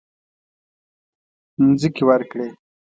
مځکې ورکړې.